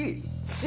Ｃ。